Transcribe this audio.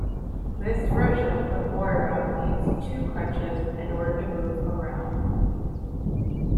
This version of Moira needs two crutches in order to move around.